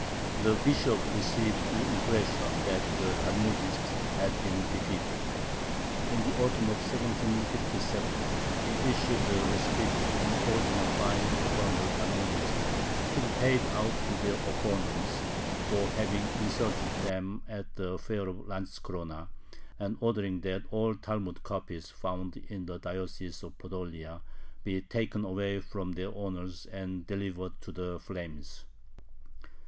The Bishop received the impression that the Talmudists had been defeated. In the autumn of 1757 he issued a rescript imposing a fine upon the Talmudists, to be paid out to their opponents, for having insulted them at the fair of Lantzkorona, and ordering that all Talmud copies found in the diocese of Podolia be taken away from their owners and delivered to the flames.